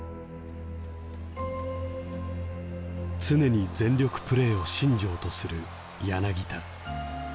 常に全力プレーを信条とする柳田。